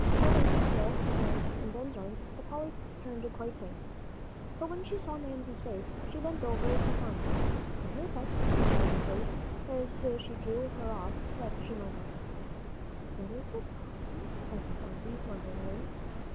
Joel lay so still and white in Ben's arms that Polly turned quite faint. But when she saw Mamsie's face, she bent over to Phronsie. "Come here, Pet," she tried to say, as she drew her off that she might not see. "What is it, Polly?" asked Phronsie, wonderingly.